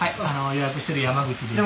予約してる山口です。